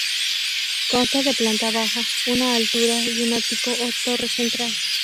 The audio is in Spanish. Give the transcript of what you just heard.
Consta de planta baja, una altura y un ático o torre central.